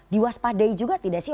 diwaspadai juga tidak sih